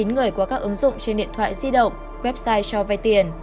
chín người qua các ứng dụng trên điện thoại di động website cho vay tiền